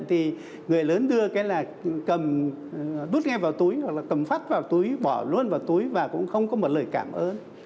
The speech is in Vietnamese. thì người lớn đưa cái là cầm bút nghe vào túi hoặc là cầm phát vào túi bỏ luôn vào túi và cũng không có một lời cảm ơn